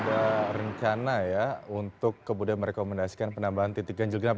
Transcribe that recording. ada rencana ya untuk kemudian merekomendasikan penambahan titik ganjil genap